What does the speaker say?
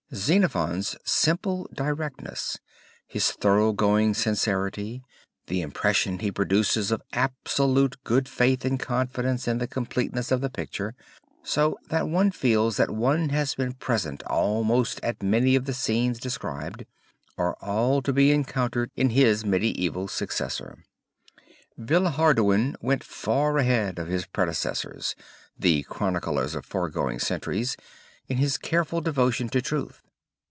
Xenophon's simple directness, his thorough going sincerity, the impression he produces of absolute good faith and confidence in the completeness of the picture, so that one feels that one has been present almost at many of the scenes described, are all to be encountered in his medieval successor. Villehardouin went far ahead of his predecessors, the chroniclers of foregoing centuries, in his careful devotion to truth.